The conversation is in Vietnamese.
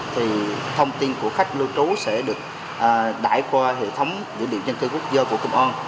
thì thông tin của khách lưu trú sẽ được đải qua hệ thống dữ liệu dân cư quốc gia của công an